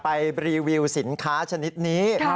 ไปรีวิวสินค้าชนิดนี้